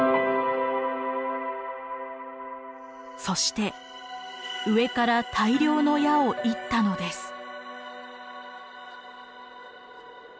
そして上から大量の矢を射ったのです。